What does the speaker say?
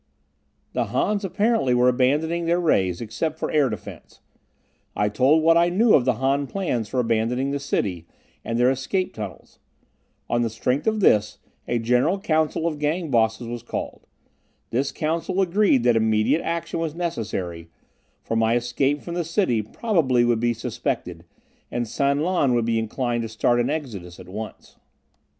The Hans apparently were abandoning their rays except for air defense. I told what I knew of the Han plans for abandoning the city, and their escape tunnels. On the strength of this, a general council of Gang Bosses was called. This council agreed that immediate action was necessary, for my escape from the city probably would be suspected, and San Lan would be inclined to start an exodus at once.